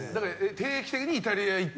定期的にイタリア行って？